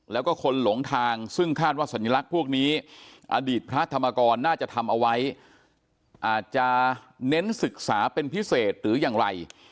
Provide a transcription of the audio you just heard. แล้วก็คนหลงทางซึ่งคาดว่าสัญลักษณ์พวกนี้อดีตพระธรรมกรน่าจะทำเอาไว้อาจจะเน้นศึกษาเป็นพิเศษหรืออย่างไร